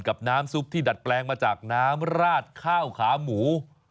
น้ำซุปที่ดัดแปลงมาจากน้ำราดข้าวขาหมู